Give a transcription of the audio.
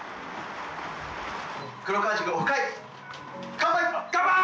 乾杯！